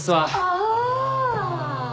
ああ！